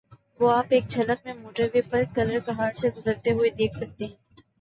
وہ آپ ایک جھلک میں موٹروے پہ کلرکہار سے گزرتے ہوئے دیکھ سکتے ہیں۔